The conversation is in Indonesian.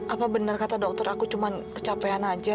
apa benar kata dokter aku cuma kecapean aja